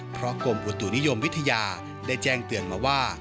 เพราะกรมอุตุนิยมวิทยาได้แจ้งเตือนมาว่า